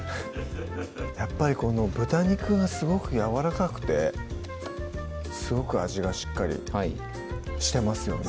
やっぱりこの豚肉がすごくやわらかくてすごく味がしっかりしてますよね